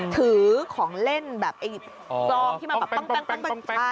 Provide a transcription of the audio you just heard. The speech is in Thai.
ถือของเล่นแบบไอ้ซองที่มันแบบปั้ง